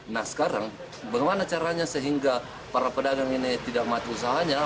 nah sekarang bagaimana caranya sehingga para pedagang ini tidak mati usahanya